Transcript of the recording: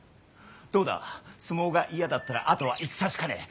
どうだ相撲が嫌だったらあとは戦しかねえ。